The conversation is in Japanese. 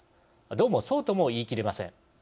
どうもそうとも言いきれません。